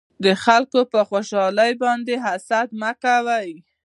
د خلکو په خوشحالۍ باندې حسد مکوئ